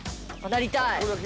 なりたい。